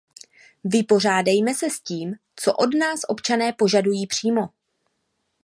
Vypořádejme se s tím, co od nás občané požadují, přímo.